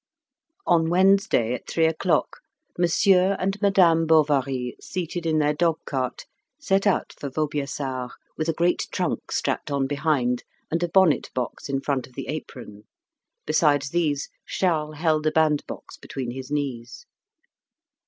On Wednesday at three o'clock, Monsieur and Madame Bovary, seated in their dog cart, set out for Vaubyessard, with a great trunk strapped on behind and a bonnet box in front of the apron. Besides these Charles held a bandbox between his knees.